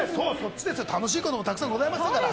楽しいこともたくさんございます。